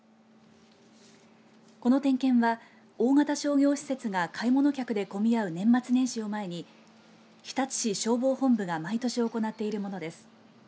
この点検は、大型商業施設が買い物客で混み合う年末年始を前に日立市消防本部が毎年行っているものです。